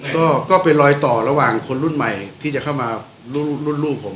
ก็เป็นรอยต่อระหว่างคนรุ่นใหม่ที่จะเข้ามารุ่นลูกผม